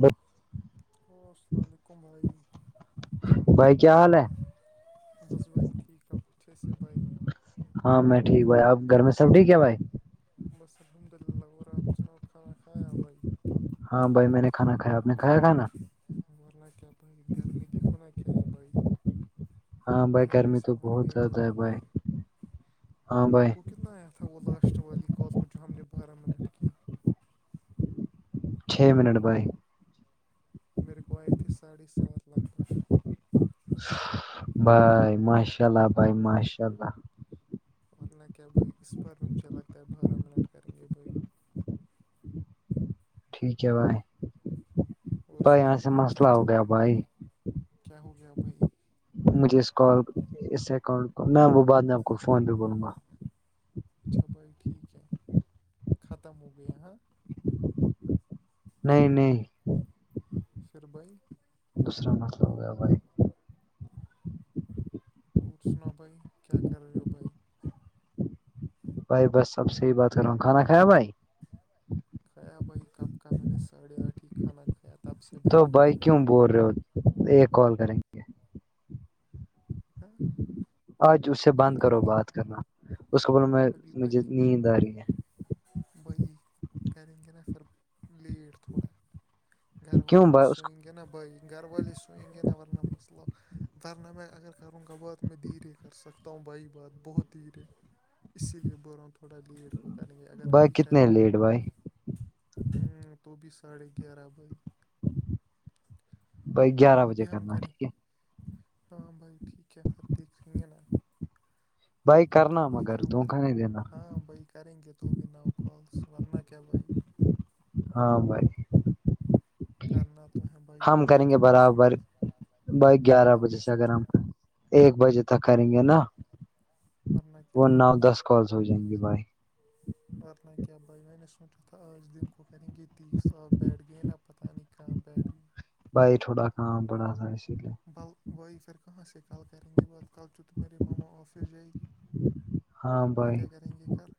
مب و السلام علیکم بھائی بھائی کیا حال ہے بس بھائی ٹھیک آپ اچھے سے بھائی ہاں میں ٹھیک بھائی اپ گھر میں سب ٹھیک ہے بھائی بس الحمد للہ آپ سے نا کانا کھیا بھائی ہاں بھائی میں نے کھانا کایا آپ نے کایا کھانا وورنہ ب گرمی دکھو نا ک بھ ہاں بھائی گرمی سے تو مر بہت گئے زیادہ بائی ہے بھائی ہاں بھائی آپ کو کتنا آیا تھ تھا وہ لاٹ والیالک کو جو ہم نے بارہ منٹ کی چھ منٹ بھائی میں رکویتے ساڑھے سات لگ بگ بھائی ماشاء اللہ بھائی ماشاء اللہ ورنہ کیا بھائی اس بار میں مجھے لگتا ہے بارہ منٹ کریں گے بھائی ٹھیک ہے بھائی اور بائی سنا یہاں سے بھائی کیا مسئلہ ہو چل گیا بھائی کیا ہو گیا اب بھائی مجھے اس اس اکٹ میں وہ بعد میں آپ کو فون پہ بولوں گا اچھا بھائی ٹھیک ہے ختم ہو گیا ہاں نہیں نہیں فربی دوسرا مسئلہ ہو گیا بھائی اور سنا بھائی کیا کر رہے ہو بھائی بھائی بس سب سے ہی بات کر رہا ہوں کھانا کھیا بھائی کھایا بھائی کپ کا میں نے ساڑھےٹھ ہی کھانا کھایا تھا تب سے تو بیٹھا بھائی کیوں بول رہے ہو ایک کال کریں گ ہاں آج اس سے ابھی بند کرو کریں گے بات کرنا اس کو بول میں مجھے نیند آ رہی ہے وہی کریں کہن پھر لیٹ تھوڑا گھر کیوں والی بھی بھائی اس کو سوئ گانا بائگ گھر والی سوئیں گانا ور نا مسلب درنہ میں اگر کروں گا بعد میں دھیرے کر سکتا ہوں بھائی بات بہت دھیرے اسی لیے ب ران تھوڑا لیٹ وہ کریں گے اگر بھائی ابھی کتنے کریں گے لیٹ بھائی ہ تو بھی ساڑھے گیارہ بھائی بھائی گیارہ تو بجے بھی ہم کرنا کریں ٹھیک ہے ہاں بھائی ٹھیک ہے سر دیکھ رہیں ہیں ن بھائی تو کرنا بھی فھر مگر ہ کر دھوکا نہیں دینا ہاں بائی کریں گے تو توو بھی نو کالس ورنہ کیا بھائی ہاں بائی کرنا تو ہے بھائی ہم کریں گے محنت نے برابر سوچا تھا، ب گیارہ ہم بجے نے سے اگر سوچا ہم ایک بجے تک کریں گے نا ورنہ کیا وہ نو بھائی دس کالس ہو جائیں گے بھائی ورتنہ کیا بائی میں نے سوچا تھا آج دن کو کریں گ یہ تیس آپ بیٹھ گئے نہ پتہ نہیں کہاں بیٹھ گئے بھائی تھوڑا کام پڑا تھا اسی لیے بل بائی پھر کہاں سے کال کریں گے بات کل جو تو میرے ماما آفس جائے گی ہاں پھر بھائی کیا کریں گے کل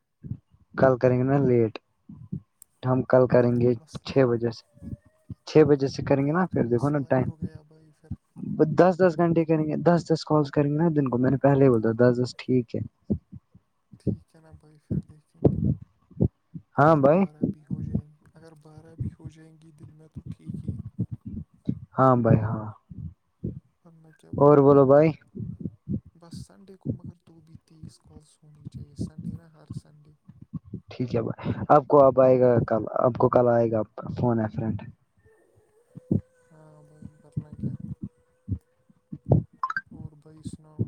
کل کریں گے نا لیٹ ہم کل کریں تو گے مسئلہ چھ ہی بجے سے چھ بجے سے کریں گے کل نا پھر تو دیکھو نا مسئلہ ہی ٹائم ہو گیا بھائی پھر دس دس گھنٹے کریں گے دس دس کالس کریں گے نا دن کو میں نے پہلے ہی بولتا دس دس ٹھیک ہے ٹھیک ہے نا بھائی پھر دیکھیں گے ہاں اگر بھائی بارہ بو ہو جائیں گی اگر بارہ بھی ہو جائیں گی دن میں تو ٹھیک ہی ہاں بھائی ہاں کرنا کیا اور بھائی بولو بس سنڈے کو مگر تو بھی تیس کالس ہونی چاہیے سنڈے نہا ہر سنڈے ٹھیک ہے بائی آپ کو آپ آئے گا کل آپ کو کل آئے گا فون ہے فنٹ ہاں بی کرن کیا اور بھائی سناؤ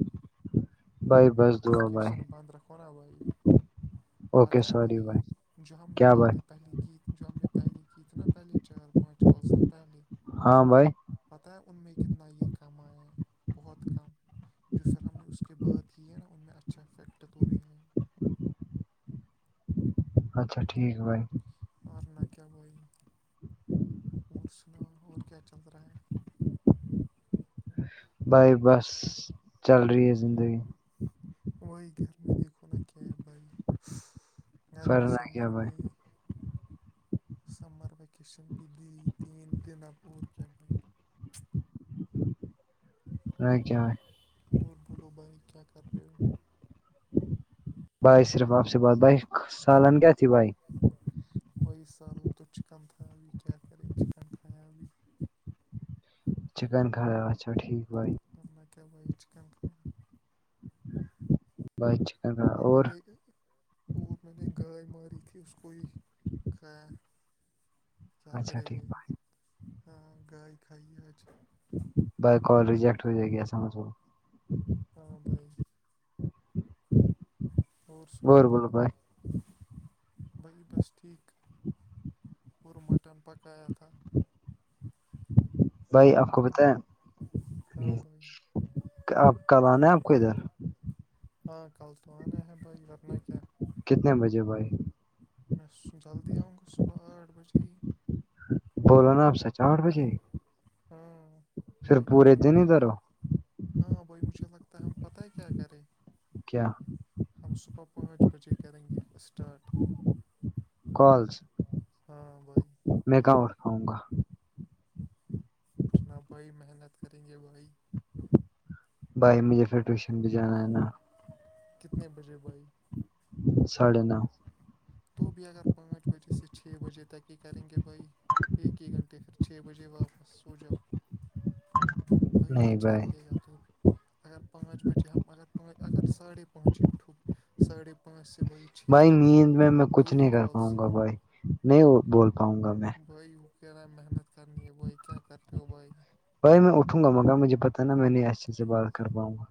بھائی بس دعا نوٹفکیشن بھائی بند رکھو نا ابی اوکے پتا ہے سوری بھائی جو ہم نے کیا بھائی پہلے پہلی کییت جو ہم نے پہلیے کیی تھے نا پہلے چار پانچ کال س پہلے ہاں بھائی پتہ ہے ان میں کتنا یہ کم آ ہے بہت کم جو پھر ہم نے اس کے بعات کی ہے نا ان میں اچھا افیکٹ تو بھی ہے اچھا ٹھیک ہے بھائی اورنہ کیا بائی اور سناو اور کیا چل رہا ہے بائی بس چل رہی ہے زندگی وہائی گرمی دیکھ نا کیب بائی گرمی فرنا سے کیا مر بھائی کے سمر وییکیشن بھی دی تین دن اپ اور کیا بن کیا اور بولو بھائی کیا کر رہے ہو بھائی صرف آپ سے بات بھائی سالن کیا تھی بھائی بیس سالوں تو چکن تھاابی کیا کر چکن کابی چکن کھیرا اچھا ٹھیک بھائی تو نہ کیا چکن فری بہت چکن اور میں نے اور میں نے گائے ماری تھی اس کو ہی کیا اچھا کرے ٹھیک بھائی ہاں گائے کھائیے آج بائی کال ریجیکٹ ہو جائے گی ہاں بھائی ہی اور سناؤ بھائی بھائی بس ٹھیک اور مٹن پکایا تھا بھائی آپ ہاں کو بھائی بتائیں ہاں بھائی آپ کل آنا ہے آپ کو ادھر ہاں کل تو آنا ہے بھائی ورنہ کیا کتنے بجے بھائی میں جلدی آؤں گا صبح آٹھ بجے ہی بوولو نا آپ سے چا آٹھ بجے ہاں پھر بائی پورے بتنے دن ادھر ہو ہاں بھائی مجھے لگتا ہے ہم پتہ ہے کیا کریں کیا ہم صبح پانچ بجے کریں گے اسٹارٹ کالس ہاں بھائی میں کہاں اٹھ پاؤں گا اٹھنا بھائی محنت کریں گے بھائی بھائی مجھے پھر ٹیوشن بھی جانا ہے نا کتنے بجے بھائی ساھے نو تو بھی اگر پانچ بجے سے چھ بجے تک ہی کریں گے بھائی ایک ہی گھنٹے پھر چھ بجے واپس جا وہی نہیں اچھا بھائی رہے گا تو بھی اگر پانچ بجے ہم اگر پان اگر ساڑھے پانچ ہی اٹھو ساھے پانچ سحائیھ بھائی نیند میں میں کچھ نہیں کر پاؤں گا بھائی نہیں بول پاؤں گا میں بھائی وہ کیاا محنت کرنی ہے بھائی کیا کرتے ہو بھائی بھائی میں اٹھوں گا مگر مجھے پتا نا میں نہیں اچھے سے بات کر پاؤںا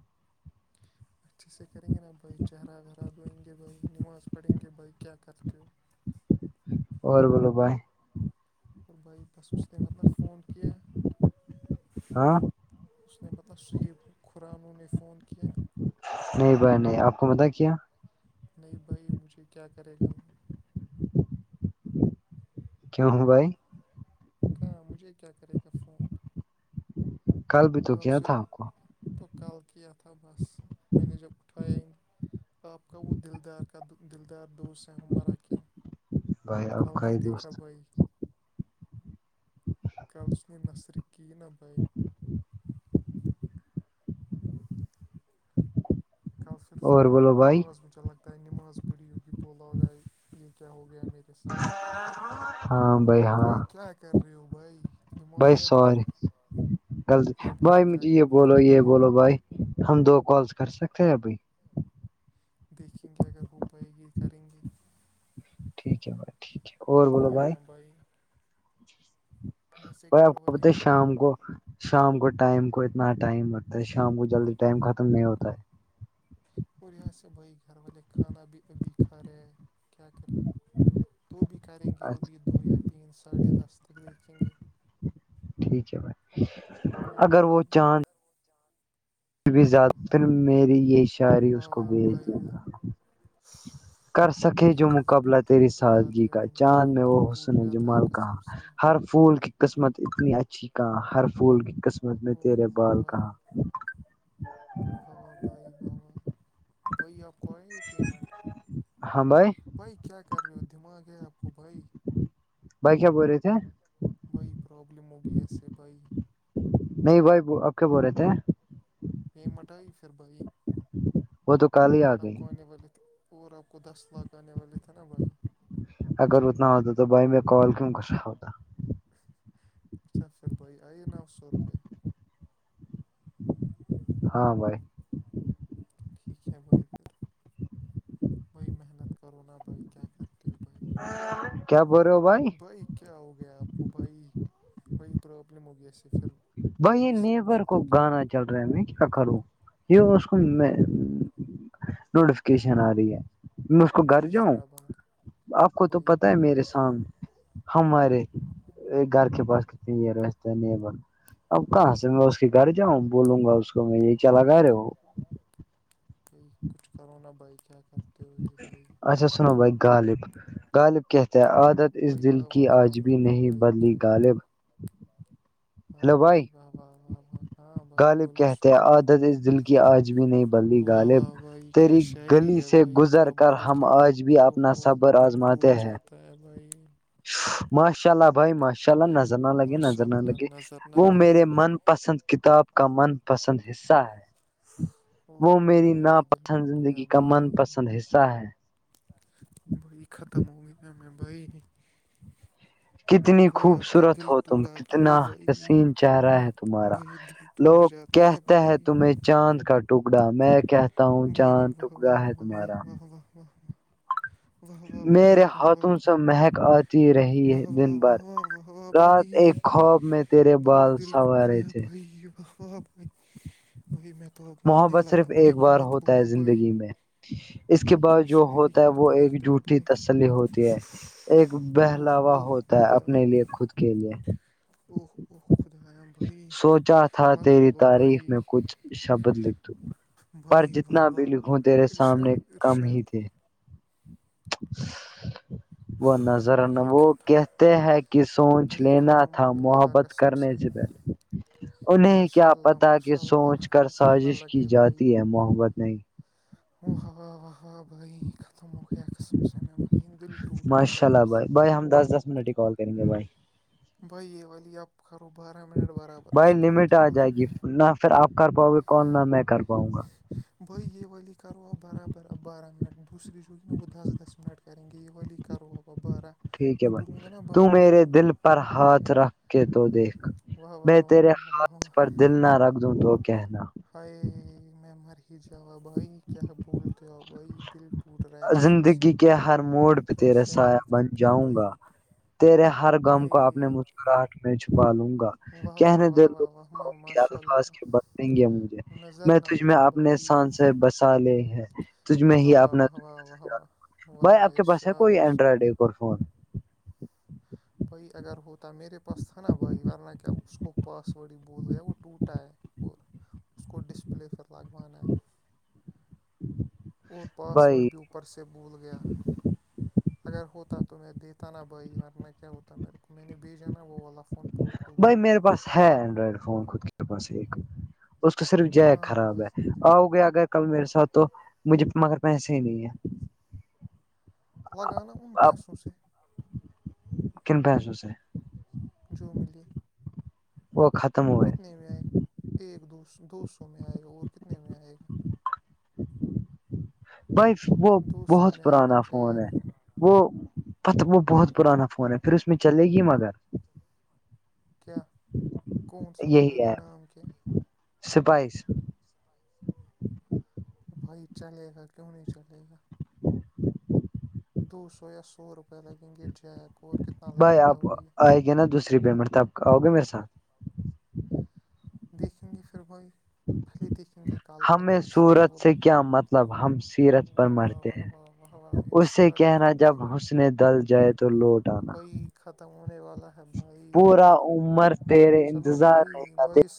اچھے سے کریں گے نا بھائی چہرہ خراب ہوئیں گے بھائی نماز پڑھیں گے بھائی کیا کرتے ہو اورہر بولو بائے اور بھائی بس نے مطلب فون کیا ہاں اس نے مطلب صحیح کران نے فون کیا نہیں بائی نہیں آپ کو مت کیا نہیں بھائی مجھے کیا کرے گا کیوں بھائی کہاں مجھے کیا کرے گا فون عن آپ سے کو تو کال کیا تھا بس میں نے جب اٹھایا ہی نہیں تو آپ کا وہ دلدار کا دل دار دوست ہے ہمارا کیا بھائی آپ کاؤ کا نہیں ہی دیکھا دوست بھائی کل اس نے نثر کی نہ بھائی کل پھر اس اور میں بولو بھائی نماز مجھ لگتا ہے نماز پڑی ہوگی بولا ہوگا یہ کیا ہو گیا میر ساتھ ہاں ہاں بھائی کیا کر رہے ہو بھائی دماغ بھائی ہے سورے غلطی ارے بھائی کیا مجھے یہ کرتے بولو ہو یہ بولو بھائی ہم دو کالس کر سکتے ہیں ابھی دیکھیں گے اگر ہو پائے گی کریں گے ٹھیک ہے بھائی ٹھیک ہے اور بولو بھائی ہاں یہاں سے گھر آپ کو والے بت بھی ابھی شام کو شام کو ٹائم کو اتنا ٹائم لگتا ہے شام کو جلدی ٹائم ختم نہیں ہوتا ہے اور یہاں سے بھائی گھر والے کھانا بھی ابھی کھا رہے ہیں کیا کریں تو بھی کریں گے اچھا ابھی دو یا تین ساڑھے دس تک دیکھیں گے ٹھیک ہے بھائی ہاں اگر وہ بھائی چاند ک بھی زیادر میری یہ شاعری اس واہ کو واہ بھیچ دین بھائی گا کر سکے بھائی جو دل مقابلہ ٹوٹ تیری سادگی توڑاتے کا ہو چاند بھائی میں وہ دل ٹوٹ حسن ہے جاتا جمال کہاں قسم سے ہر پھول کی قسمت اتنی اچھی کہاں ہر پھول کی قسمت میں تیرے اوہ بال بھائی کہاں واہ واہ بھائی واہ واہ بی آپ کو آئے یہ پیمنٹ ہاں بھائی بھائی کیا کر رہے ہو دماغ ہے آپ کو بھائی بھائی کیا بول رہے تھے بھائی پرابلم ہوگی اس سے بھائی نہیں بھائی اب کیا بول رہے تھے پی مٹ آئی پھر بھائی وہ تو کال ہی آ آپ گئی کو آنے بولے اور آپ کو دس لاکھ آنے والے تھے نا بھائی اگر اتنا ہوتا تو بھائی میں کال کیوں کسا ہوتا اچھا پر بھائی آئیے نو سو روپئے ہاں بھائی ٹھیک ہے بھائی پھر بھائی محنت کرو نا بھائی کیا کرتے ہو بھائی کیا بول رہے ہو بھائی کیا ہو گیا آپ کو بھائی بھائی پرابلم ہو گیا اس سے پھر بائی یہ بھائی نیبر کو سمجھتے کہ گانا چل رہا میں کیا کروں یہ اس کو میں نوٹیفکیشن آ رہی ہے میں اس کو گھر بھائی جاؤں ذرا بند آپ کر، کو تو بھائی پتہ ہے بند میرے کر سامنے ہمارے گھر کے پاس کتنے نہیں ب اب کہاں سے میں اس کے گھر جاؤں بولوں گا اس کو میں یہی کیا لگا رہے کوئی کچھ کرو نہا بھائی کیا کر اچھا سنو بائی غالب غالب کہتے ہیں عادت اس بھائی دل کی آواز آج بند بھی رکھو نہیں بھائی بدلی کیا کر غالب ہاں بھائی واہ واہ واہ واہ ہاں بھائی غالب بولو سن کہتے ہیں رہا ہوں عادت بھائی اس دل کی آج بھی نہیں بدلی واہ غالب واہ بھائی کیا تیری شاعری گلی ہے سے بھائی کیا گزر کر ہم بولتے ہو آج آپ بھی اوہ اپنا اوہ صبر دل ٹوٹ آزماتے ہیں جاتا ہے بھائی ماشاء اللہ بھائی ماشاء اللہ نظر نہ لگے ماشاء نظر نہ اللہ لگے نظر نہ وہ میرے لگی من پسند کتاب کا من پسند حصہ ہے اوہ وہ اوہ میری بھائی دل ناپسند ٹوٹ زندگی گیا کا من پسند حصہ ہے بئیی ختم ہو گئییا میں بی نہیں کتنی بھائی اب تو خوبصورت دل ہو تم توڑاتے ہو کتنا بھائی حسین چہرہ ہے تمہارا بھائی دل دٹ لوگ جاتا ہے کہتے ہیں ببائی تمہیں چاند کا ٹکڑا میں کہتا ہوں وائی چاند واہ ٹکڑا واہ ہے واہ واہ تمہارا واہ واہ واہ واہ واہ واہ بائی میرے واہ واہ ہاتھوں ب سے مہک آتی رہی ہے واہ واہ دن بھر واہ واہ و رات بائی ایک خواب میں تیرے بھائی بال دل ٹوٹ سنوارے گیا تھے بھائی بھای میں تو اب مرنے محبت لگ صرف ایک بار ہوتا ہے زندگی میں اس کے بھائی کیا بعد جو شاعری ہوتا ہے وہ کہت ایک کرتے ہو جھوٹی بھائی تسلی ہوتی ہے ایک اوہ بہلاوا اوہ ہوتا ہے خدایا اپنے لیے خود کے لیے اوہ اوہ خدا ہم بھائی سوچا تھا مت تیری بولو بھائی تعریف میں کچھ شبد لکھ پر بھائی واہ جتنا بھی لکھوں واہ تیرے سامنے ارشاد کم ہی ارشاد تھے [inaudible] وہ نظر بھائی وہ ختم کہتے ہیں کہ سوچھ بھائی لینا ختم تھا ہونے لگا محبت قسم سے کرنے جدر انہیں کیا ماشاء اللہ پتا کہ ماشاء اللہ سوچھ کر نظر نہ سازش کی جاتی ہے محبت نہیں و ہو وا با ختم ہو گیا قسم سے بھای دل ٹوٹ رائے ماشاء دہ اللہ بھائی بھائی ہم دس دس منٹ ہی کال کرلے بھای بھائی یہ والی آپ کرو بارہ منٹ برابر بھائی اس کی لمٹ جو آ جائے دوسری گی نہ پھر آپ کر پاؤ گے کال نہ میں کر بؤ گ [inaudible] بھائی یہ و واللی کرو آب برابر اب بارہ منٹ دوسری جوگی نا وہ دس دس منٹ کریں گے یہ ویلی کرا ب بارہ ٹھیک ہے میں بھائی بلو گا نا بعد تو میں میرے کیونوں دل پر ہاتھ رکھ کے تو دیکھ واہ میں واہ واہ تیرے واہ واہ واہ ہاتھ پر دل نہ رکھ دوں تو کہنا ہائے میں مر ہی جاوا بھائی کیا بولتے آ بھائی دل ٹوٹ رہا ہے قسم سے زندگی کے ہر موڈ پہ کیا تیرے شاعری سایہ بن کرتے ہو جاؤں بھائی گا تیرے ہر غم کو ہائے آنے مسکراہٹ میں چھپا لوں گا واہ واہ کہنے واہ دے لو واہ واہ واہ کے ماشاء الفاظ اللہ کے بدیں گے مجھے نظر میں نہ تج میں لگے اپنے بھائی شان سے بسا لے ہے تج میں واہ ہی واہ اپنا واہ واہ واہ واہ واہ بھائی آپ واہ کے پاس ہے کو ارشاد یہ ارشاد اینڈرائڈ ایک فون بھائی اگر ہوتا میرے پاس تھا نا بھائی ورنہ کیا اس کو پاس ورڈ ہی بول گیا وہ ٹوٹا ہے اور اس کو ڈسپلے پھر لگوانا ہے اور پاس ورڈ بھائی بھی اوپر سے بھول گیا اگر ہوتا تو میں دیتا نا بھائی ورنہ کیا ہوتا میرے کو میں نے بھیجا نا وہ وال بھائی میرے پاس ہے اینڈرائڈ فون خود کے اوپر سے ایک اس کو صرف ج ہاں خراب بھائی ہے آؤ گے اگر کل میرے ساتھ تو مجھے مگر پیسے ہی نہیں ہے لگانا ان آپ پیسوں سے کن پیسوں سے جو ملی وہ ختم کتنے ہوئے ایک دو دو سو میں آئے گا اور کتنے میں آئے گا بائی وہ دو سو بہت میں آئے گا پرانا فون جیک ہے وہ پت وہ بہت پرانا فون ہے پھر اس میں چلے گی مگر کیا کون سا فون ہے نام کیا ہے سپائس شپال کہ بھائی چلے گا کیوں نہیں چلے گا دو سو یا سو روپے لگیں گے جیک اور کتنا بھائی لگے گا آپ آئے گے نا دوسری پیمنٹ تھا آ آؤ گے میرے ساتھ دیکھیں گے پھر بھائی پہلے دیکھیں گے کل اگر ہمیں کسی نے صورت بولو سے کیا مطلب ہم سیرت پر واہ واہ مرتے واہ ہیں واہ و اسے ارشاد کہنا کرو جب بائی حسن دل جائے تو لوٹ آنا بائی ختم ہونے والا ہے بھائی پورا عمر تیرے چلو انتظار بھائی رہے گا بھائی س